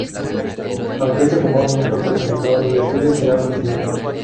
Aunque este rumor nunca fue confirmado, la historia se ha mantenido.